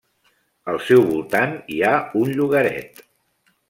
Al seu voltant hi ha un llogaret.